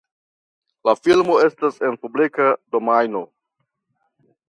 La filmo estas en la publika domajno.